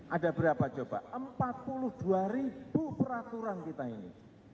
ada berapa coba empat puluh dua ribu peraturan kita ini